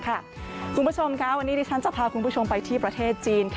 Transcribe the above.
คุณผู้ชมค่ะวันนี้ดิฉันจะพาคุณผู้ชมไปที่ประเทศจีน